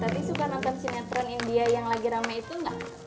tuh tatty suka nonton sinetron india yang lagi rame itu enggak